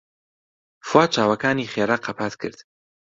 فواد چاوەکانی خێرا قەپات کرد.